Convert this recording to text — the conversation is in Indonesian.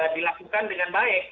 dilakukan dengan baik